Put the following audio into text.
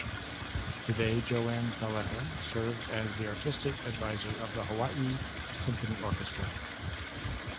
Today, JoAnn Falletta serves as the artistic advisor of the Hawaii Symphony Orchestra.